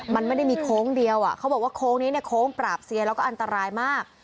มันไม่ได้มีโค้งเดียวเขาบอกว่าโค้งนี้เนี่ยโค้งปราบเซียแล้วก็อันตรายมาก